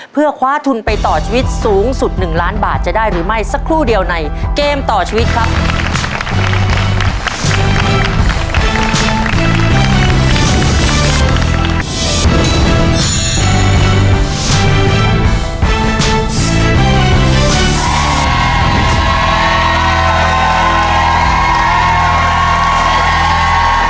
เพื่อคว้าทุนไปต่อชีวิตสูงสุด๑ล้านบาทจะได้หรือไม่สักครู่เดียวในเกมต่อชีวิตครับ